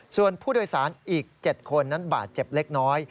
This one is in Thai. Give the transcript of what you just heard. ส่วนผู้โดยสารอีก๗คนนั้นบาดเจ็บเล็กน้อย